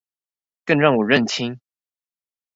更讓我認清